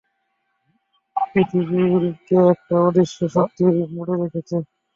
পৃথিবীকে একটা অদৃশ্য শক্তি মুড়ে রেখেছে।